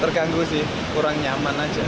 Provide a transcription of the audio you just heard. terganggu sih kurang nyaman aja